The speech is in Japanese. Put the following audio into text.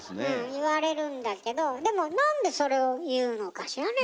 言われるんだけどでもなんでそれを言うのかしらね？